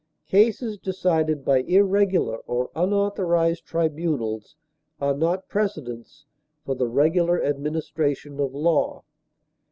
Cases decided by irregular or unauthorized tribunals are not precedents for the regular administration of law.